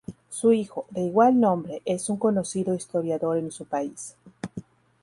Su hijo, de igual nombre, es un conocido historiador en su país.